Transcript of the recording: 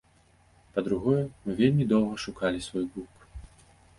Па-другое, мы вельмі доўга шукалі свой гук.